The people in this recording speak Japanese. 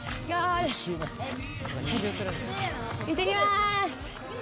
いってきま